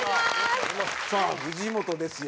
さあ藤本ですよ。